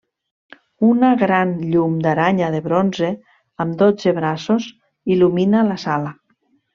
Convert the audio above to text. Una gran llum d'aranya de bronze amb dotze braços il·lumina la sala.